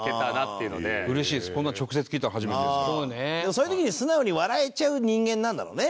そういう時に素直に笑えちゃう人間なんだろうね。